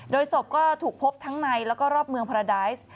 โดยศพก็ถูกพบทั้งในแล้วก็รอบเมืองพาราไดซ์